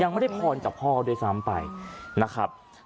ยังไม่ได้พรจากพ่อด้วยซ้ำไปนะครับ